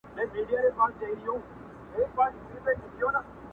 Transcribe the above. آزادي او وړتيا محدوده ده